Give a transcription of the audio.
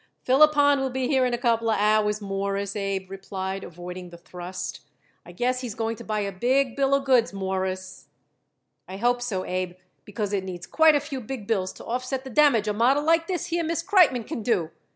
"Philip Hahn will be here in a couple of hours, Mawruss," Abe replied, avoiding the thrust. "I guess he's going to buy a big bill of goods, Mawruss." "I hope so, Abe, because it needs quite a few big bills to offset the damage a model like this here Miss Kreitmann can do.